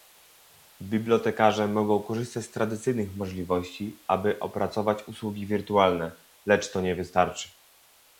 Bibliotekarze mogą korzystać z tradycyjnych możliwości, aby opracować usługi wirtualne, lecz to nie wystarczy